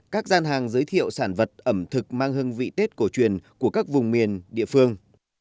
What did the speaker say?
các gian hàng giới thiệu sản vật ẩm thực mang hương vị tết cổ truyền của các vùng miền địa phương